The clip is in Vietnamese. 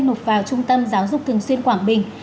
nộp vào trung tâm giáo dục thường xuyên quảng bình